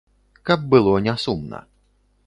Каб было не сумна.